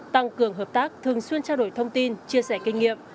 tăng cường hợp tác thường xuyên trao đổi thông tin chia sẻ kinh nghiệm